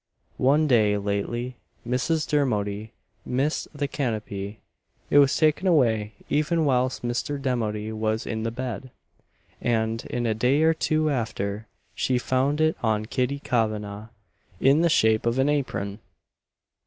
One day lately, Mrs. Dermody missed the canopy it was taken away even whilst Mr. Dermody was in the bed; and, in a day or two after, she found it on Kitty Kavanagh, in the shape of an apron!